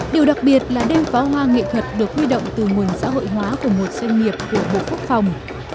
điều đặc biệt là đêm phá hoa nghệ thuật được huy động từ nguồn xã hội hóa của một doanh nghiệp của bộ quốc phòng